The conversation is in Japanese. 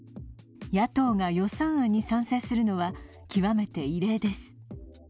野党が予算案に賛成するのは極めて異例です。